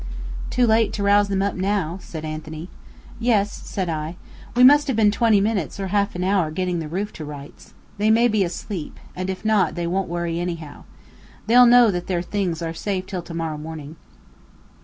"Too late to rouse them up now," said Anthony. "Yes," said I. "We must have been twenty minutes or half an hour getting the roof to rights. They may be asleep, and if not, they won't worry anyhow. They'll know that their things are safe till to morrow morning."